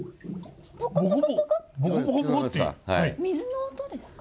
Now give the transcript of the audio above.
水の音ですか？